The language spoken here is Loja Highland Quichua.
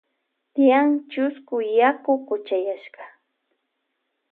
Tyan chusku yaku kuchayashka.